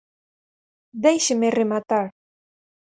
¡Déixeme rematar!